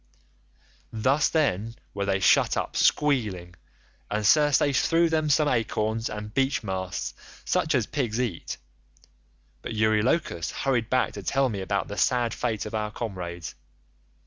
"Thus then were they shut up squealing, and Circe threw them some acorns and beech masts such as pigs eat, but Eurylochus hurried back to tell me about the sad fate of our comrades.